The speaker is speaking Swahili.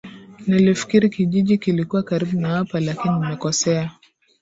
Nilifikiri kijiji kilikuwa karibu na hapa, lakini nimekosea.